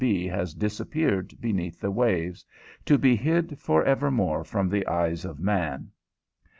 _ has disappeared beneath the waves, to be hid forevermore from the eyes of man.